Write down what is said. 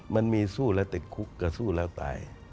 มันมีสู้แล้วติดคุกก็สู้แล้วตาย